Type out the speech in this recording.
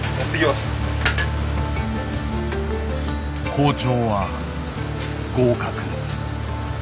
包丁は合格。